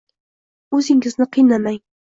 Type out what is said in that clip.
O‘zingizni qiynamang.